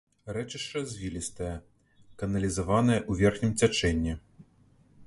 Рэчышча звілістае, каналізаванае ў верхнім цячэнні.